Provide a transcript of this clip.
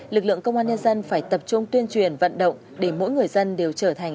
lực lượng công an nhân dân phải tập trung tuyên truyền vận động để mỗi người dân đều trở thành